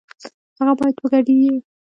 هغه بايد وګډېږي